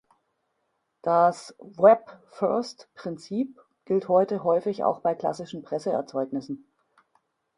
Das „Web-First-Prinzip“ gilt heute häufig auch bei klassischen Presseerzeugnissen.